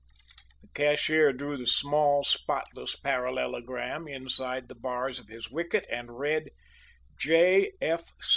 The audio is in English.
The cashier drew the small, spotless parallelogram inside the bars of his wicket, and read: J.